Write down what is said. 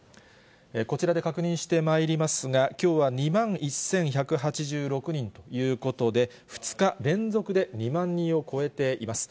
こちらで確認してまいりますが、きょうは２万１１８６人ということで、２日連続で２万人を超えています。